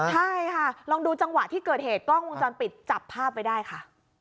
ใช่ค่ะลองดูจังหวะที่เกิดเหตุกล้องวงจรปิดจับภาพไว้ได้ค่ะ